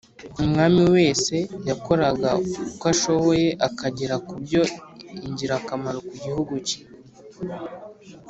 Umwami wese yakoraga uko ashoboye akagera kubyo ingirakamaro ku gihugu cye